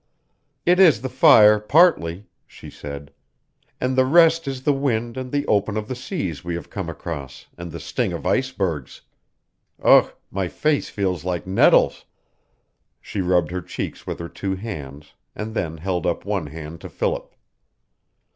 "It is the fire, partly," she said. "And the rest is the wind and the open of the seas we have come across, and the sting of icebergs. Ugh: my face feels like nettles!" She rubbed her cheeks with her two hands, and then held up one hand to Philip.